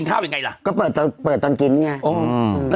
โอ้โหโดอีกแล้ว